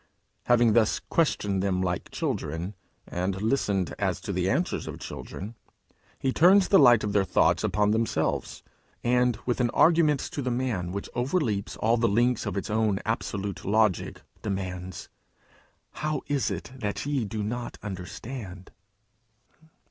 Having thus questioned them like children, and listened as to the answers of children, he turns the light of their thoughts upon themselves, and, with an argument to the man which overleaps all the links of its own absolute logic, demands, 'How is it that ye do not understand?'